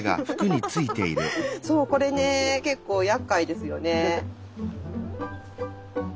そうこれね結構やっかいですよね。